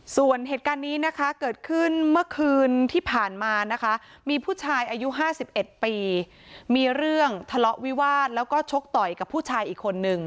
ส่วนเหตุการณ์นี้นะคะเกิดขึ้นเมื่อคืนที่ผ่านมานะคะมีผู้ชายอายุ๕๑ปีมีเรื่องทะเลาะวิวาสแล้วก็ชกต่อยกับผู้ชายอีกคนนึง